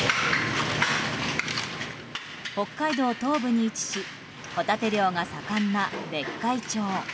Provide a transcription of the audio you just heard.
北海道東部に位置しホタテ漁が盛んな別海町。